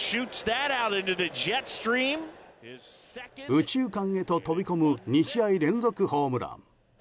右中間へと飛び込む２試合連続ホームラン。